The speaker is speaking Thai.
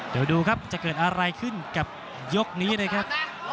เดี๋ยวดูครับจะเกิดอะไรขึ้นกับยกนี้เลยครับ